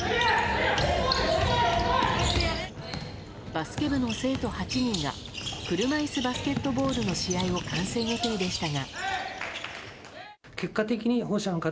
バスケ部の生徒８人が車いすバスケットボールの試合を観戦予定でしたが。